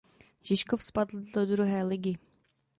Žižkov spadl do druhé ligy.